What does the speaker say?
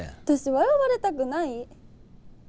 私笑われたくない。